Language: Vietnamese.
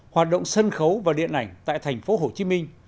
hoạt động sân khấu và điện ảnh tại thành phố hồ chí minh